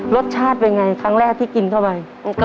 รสชาติเป็นไงครั้งแรกที่กินเข้าไป